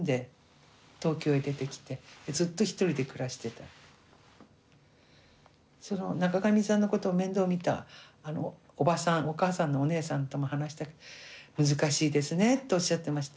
そのままその中上さんのことを面倒みたおばさんお母さんのお姉さんとも話したけど難しいですねっておっしゃってました。